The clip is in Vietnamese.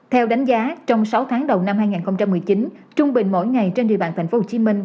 theo đánh giá trong sáu tháng đầu năm hai nghìn một mươi chín trung bình mỗi ngày trên địa bàn thành phố hồ chí minh